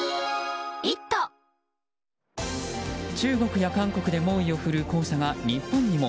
中国や韓国で猛威を振るう黄砂が日本にも。